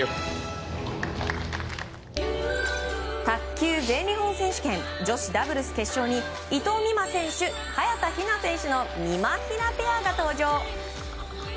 卓球全日本選手権女子ダブルス決勝に伊藤美誠選手、早田ひな選手のみまひなペアが登場。